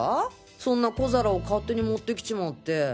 そんな小皿を勝手に持ってきちまって。